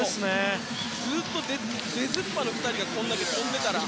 ずっと出ずっぱの２人がこれだけ跳んでたら。